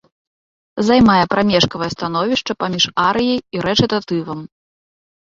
Займае прамежкавае становішча паміж арыяй і рэчытатывам.